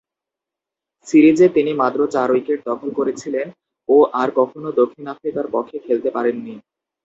সিরিজে তিনি মাত্র চার উইকেট দখল করেছিলেন ও আর কখনো দক্ষিণ আফ্রিকার পক্ষে খেলতে পারেননি।